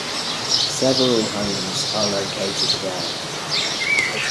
Several homes are located there.